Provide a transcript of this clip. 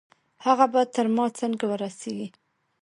هغه به تر ما څنګه ورسېږي؟